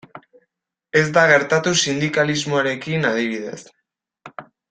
Ez da gertatu sindikalismoarekin, adibidez.